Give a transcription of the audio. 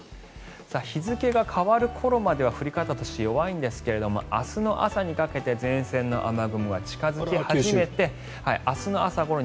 日付が変わる頃までは降り方として弱いですが明日の朝にかけて前線の雨雲が近付き始めて明日の朝ごろ